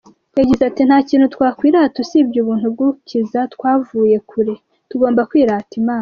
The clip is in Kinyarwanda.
Yagize ati "Nta kintu twakwirata usibye ubuntu bw’umukiza, twavuye kure, tugomba kwirata Imana.